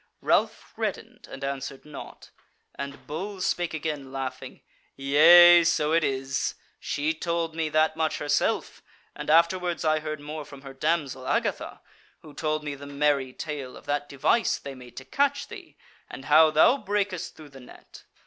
Ralph reddened and answered naught; and Bull spake again, laughing: "Yea, so it is: she told me that much herself, and afterwards I heard more from her damsel Agatha, who told me the merry tale of that device they made to catch thee, and how thou brakest through the net.